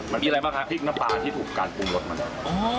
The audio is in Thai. มันเป็นพริกน้ำปลาที่ถูกการปรุงรสบันนม